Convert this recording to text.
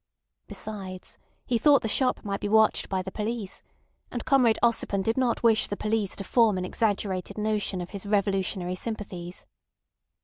Besides, he thought the shop might be watched by the police, and Comrade Ossipon did not wish the police to form an exaggerated notion of his revolutionary sympathies.